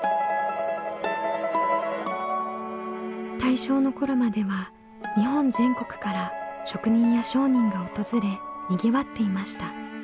大正の頃までは日本全国から職人や商人が訪れにぎわっていました。